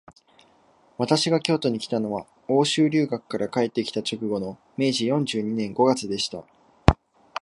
私が京都にきたのは、欧州留学から帰った直後の明治四十二年五月でした